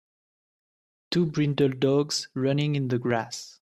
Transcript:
Two brindle dogs running in the grass.